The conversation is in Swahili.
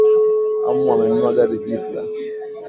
Amu amenunua gari jipya